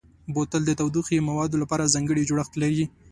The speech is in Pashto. بوتل د تودوخهيي موادو لپاره ځانګړی جوړښت لري.